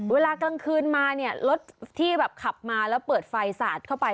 เวลากลางคืนมาเนี่ยรถที่แบบขับมาแล้วเปิดไฟสาดเข้าไป